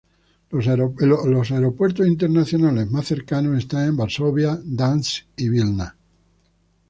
Los aeropuertos internacionales más cercanos están en Varsovia, Gdańsk y Vilna.